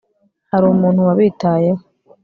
hari umuntu wabitayeho